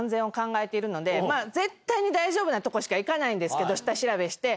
ので絶対に大丈夫なとこしか行かないんですけど下調べして。